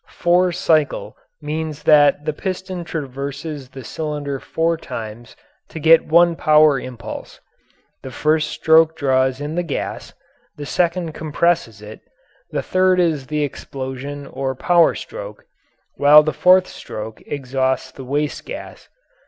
"Four cycle" means that the piston traverses the cylinder four times to get one power impulse. The first stroke draws in the gas, the second compresses it, the third is the explosion or power stroke, while the fourth stroke exhausts the waste gas.